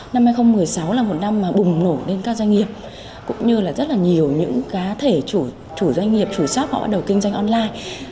năm hai nghìn một mươi sáu là một năm mà bùng nổ lên các doanh nghiệp cũng như là rất là nhiều những cá thể chủ doanh nghiệp chủ shop họ bắt đầu kinh doanh online